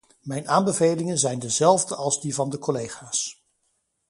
Mijn aanbevelingen zijn dezelfde als die van de collega's.